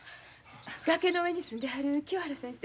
崖の上に住んではる清原先生。